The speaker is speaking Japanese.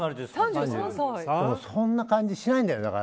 そんな感じしないんだよね。